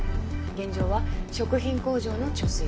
現場は食品工場の貯水槽。